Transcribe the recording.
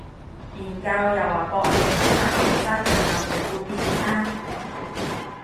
研究又話勃起功能同生殖能力會變差